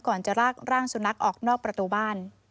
ก่อนจะลากร่างสุนัขออกนอกประตูบ้าน